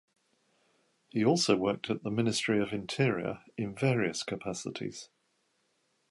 He also worked at the Ministry of Interior in various capacities.